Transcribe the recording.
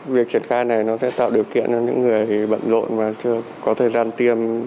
việc triển khai này nó sẽ tạo điều kiện cho những người bận rộn và chưa có thời gian tiêm